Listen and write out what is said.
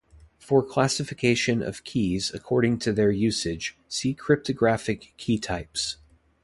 For classification of keys according to their usage see cryptographic key types.